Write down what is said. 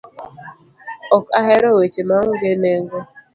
Ok a hero weche maonge nengo.